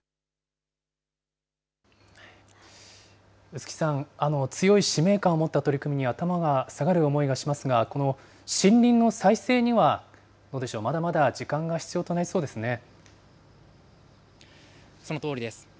臼杵さん、強い使命感を持った取り組みには、頭が下がる思いがしますが、この森林の再生には、どうでしょう、まだまだ時間が必要となりそうでそのとおりです。